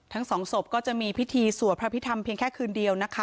ทั้งสองศพก็จะมีพิธีสวดพระพิธรรมเพียงแค่คืนเดียวนะคะ